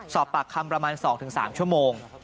สอบปากคำประมาณ๒๓ชั่วโมง